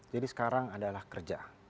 jadi sekarang adalah kerja